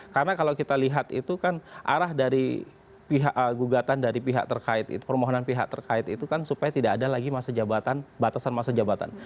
karena kalau kita lihat itu kan arah dari gugatan dari pihak terkait itu permohonan pihak terkait itu kan supaya tidak ada lagi masa jabatan batasan masa jabatan